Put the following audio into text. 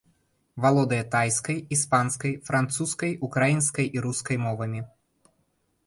Валодае тайскай, іспанскай, французскай, украінскай і рускай мовамі.